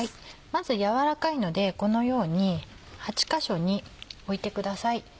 まず軟らかいのでこのように８か所に置いてください。